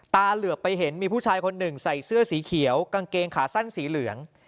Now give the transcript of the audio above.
เหลือไปเห็นมีผู้ชายคนหนึ่งใส่เสื้อสีเขียวกางเกงขาสั้นสีเหลือง